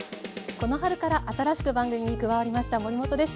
この春から新しく番組に加わりました守本です。